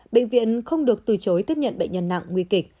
bệnh viện không được từ chối tiếp nhận bệnh nhân nặng nguy kịch